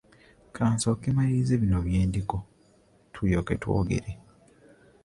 Ka nsooke mmalirize bino bye ndiko tulyoke twogere.